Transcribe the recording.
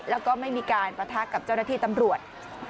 แล้วก็ไม่มีการปะทะกับเจ้าหน้าที่ตำรวจ